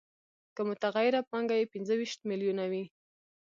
که متغیره پانګه یې پنځه ویشت میلیونه وي